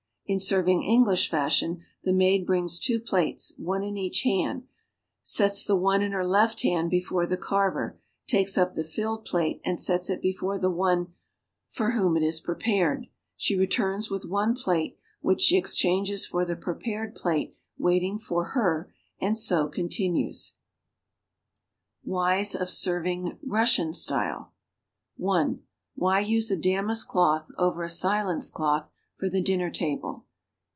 In serving English fashion, the maid brings two plates, one in each hand, sets the one in her left hand before the carver, takes up the filled plate and sets it before the one for whom it is prepared; she returns with one plate, which she exchanges for the prepared plate waiting for her, and so con tinues. WHYS OF SERVING (RUSSIAN STYLE) (1) Why use a damask cloth (over a silence cloth) for the dinner table?